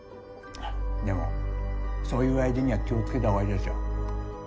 でもそういう相手には気をつけた方がいいですよ。